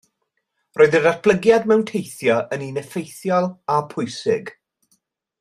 Roedd y datblygiad mewn teithio yn un effeithiol a pwysig